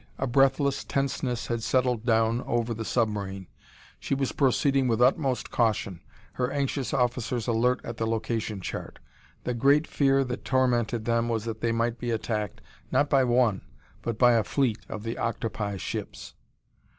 A breathless tenseness had settled down over the submarine; she was proceeding with utmost caution, her anxious officers alert at the location chart. The great fear that tormented them was that they might be attacked, not by one, but by a fleet of the octopi ships....